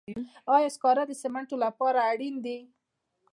آیا سکاره د سمنټو لپاره اړین دي؟